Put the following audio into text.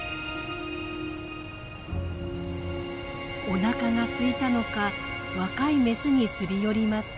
おなかがすいたのか若いメスにすり寄ります。